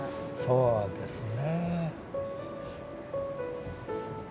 そうですね。